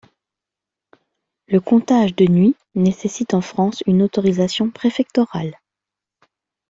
Le comptage de nuit nécessite en France une autorisation préfectorale.